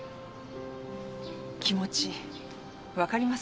気持ち分かります。